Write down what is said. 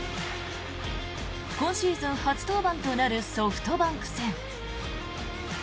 今シーズン初登板となるソフトバンク戦。